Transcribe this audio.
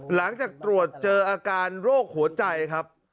หลังจากตรวจเจออาการโรคหัวใจครับ